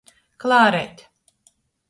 Klāreit.